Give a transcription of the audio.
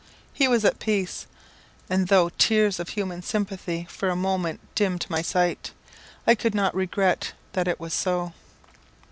He was at peace, and though tears of human sympathy for a moment dimmed my sight, I could not regret that it was so.